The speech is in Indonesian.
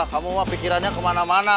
kamu pikirannya kemana mana